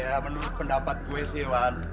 ya menurut pendapat gue sih iwan